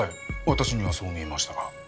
私にはそう見えましたが。